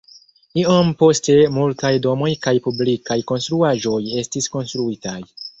Iom poste multaj domoj kaj publikaj konstruaĵoj estis konstruitaj.